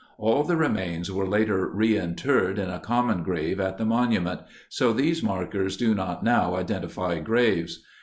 All the remains were later reinterred in a common grave at the monument, so these markers do not now identify graves.